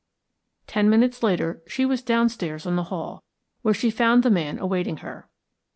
Ten minutes later she was downstairs in the hall, where she found the man awaiting her.